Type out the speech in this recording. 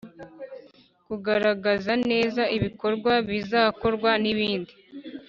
Kugaragaza neza ibikorwa bizakorwa n ibindi